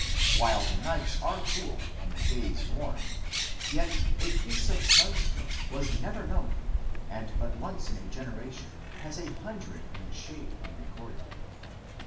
While the nights are cool and the days warm, yet a case of sunstroke was never known and but once in a generation has a hundred in the shade been recorded.